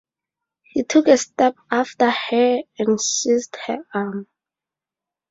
He took a step after her and seized her arm.